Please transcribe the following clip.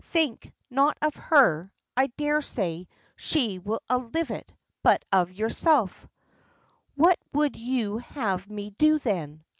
"Think not of her I daresay she will outlive it but of yourself." "What would you have me do then?"